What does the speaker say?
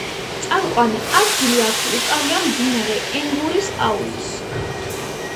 წამყვანი ადგილი აქ უკავია მდინარე ენგურის აუზს.